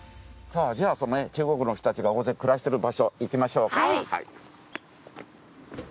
さあじゃあ中国の人たちが大勢暮らしてる場所行きましょうか。